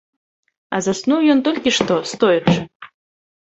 А заснуў ён толькі што, стоячы.